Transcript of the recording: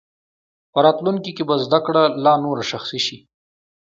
په راتلونکي کې به زده کړه لا نوره شخصي شي.